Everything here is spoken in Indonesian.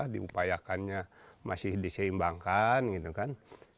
diupayakannya masih diseimbangkan gitu kan